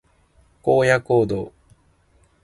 荒野行動